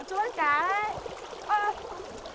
chỗ bắt cá đấy